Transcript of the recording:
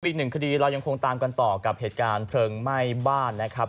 อีกหนึ่งคดีเรายังคงตามกันต่อกับเหตุการณ์เพลิงไหม้บ้านนะครับ